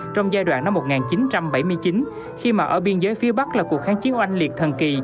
trong giai đoạn năm một nghìn chín trăm bảy mươi chín khi mà ở biên giới phía bắc là cuộc kháng chiến oanh liệt thần kỳ